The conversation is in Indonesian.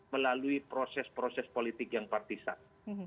melalui proses proses politik yang partisan